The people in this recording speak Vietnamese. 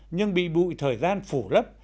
nhưng bị bụi thời gian phủ lấp